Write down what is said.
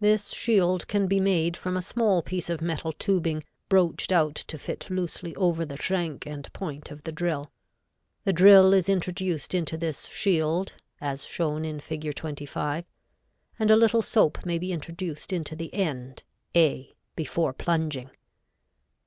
This shield can be made from a small piece of metal tubing, broached out to fit loosely over the shank and point of the drill. The drill is introduced into this shield as shown in Fig. 25, and a little soap may be introduced into the end a before plunging.